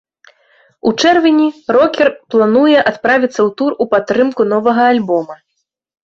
У чэрвені рокер плануе адправіцца ў тур у падтрымку новага альбома.